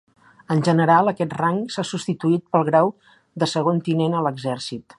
En general, aquest rang s'ha substituït pel grau de segon tinent a l'Exèrcit.